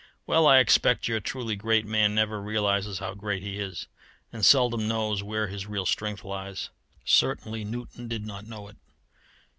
Well, I expect your truly great man never realizes how great he is, and seldom knows where his real strength lies. Certainly Newton did not know it.